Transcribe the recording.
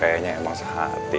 kayaknya emang sehati ya